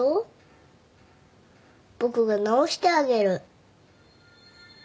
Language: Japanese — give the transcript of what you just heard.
僕が治してあげる。